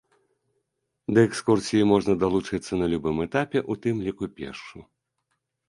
Да экскурсіі можна далучыцца на любым этапе, у тым ліку пешшу.